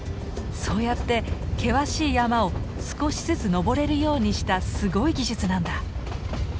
そうやって険しい山を少しずつ登れるようにしたすごい技術なんだ！